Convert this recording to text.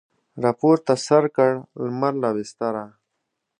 راپورته سر کړ لمر له بستره